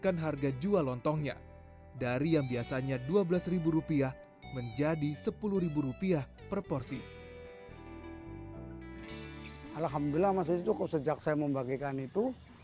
alhamdulillah masih cukup sejak saya membagikan itu